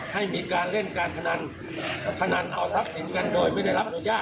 ให้มีการเล่นการพนันพนันเอาทรัพย์สินกันโดยไม่ได้รับอนุญาต